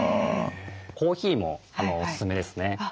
コーヒーもおすすめですね。